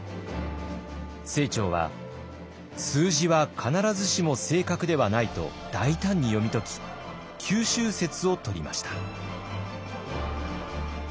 清張は数字は必ずしも正確ではないと大胆に読み解き九州説をとりました。